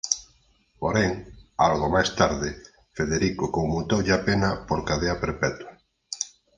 Porén algo máis tarde Federico conmutoulle a pena por cadea perpetua.